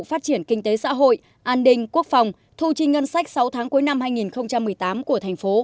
phát triển kinh tế xã hội an ninh quốc phòng thu chi ngân sách sáu tháng cuối năm hai nghìn một mươi tám của thành phố